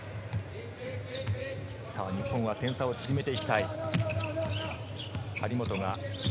日本は点差を縮めていきたい。